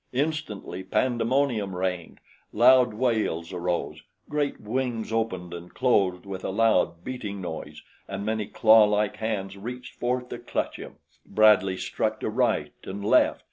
Instantly pandemonium reigned. Loud wails arose, great wings opened and closed with a loud, beating noise and many clawlike hands reached forth to clutch him. Bradley struck to right and left.